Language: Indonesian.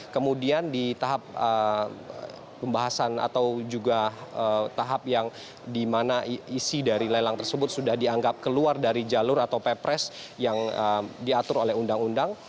kemudian di tahap pembahasan atau juga tahap yang dimana isi dari lelang tersebut sudah dianggap keluar dari jalur atau pepres yang diatur oleh undang undang